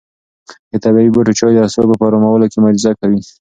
د طبیعي بوټو چای د اعصابو په ارامولو کې معجزه کوي.